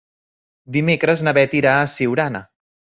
Dimecres na Beth irà a Siurana.